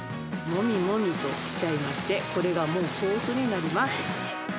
もみもみしちゃいまして、これがもう、ソースになります。